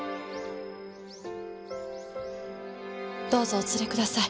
どうぞお連れください。